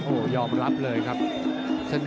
โอ้โหแดงโชว์อีกเลยเดี๋ยวดูผู้ดอลก่อน